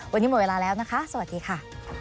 วันนี้หมดเวลาแล้วนะคะสวัสดีค่ะ